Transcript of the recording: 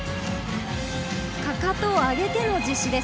かかとを上げての実施です。